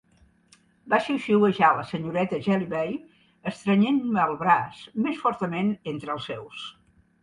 va xiuxiuejar la senyoreta Jellyby, estrenyent-me el braç més fortament entre els seus.